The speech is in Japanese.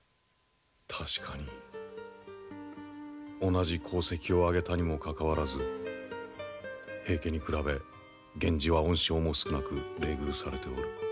確かに同じ功績をあげたにもかかわらず平家に比べ源氏は恩賞も少なく冷遇されておる。